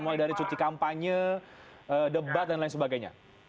mulai dari cuti kampanye debat dan lain sebagainya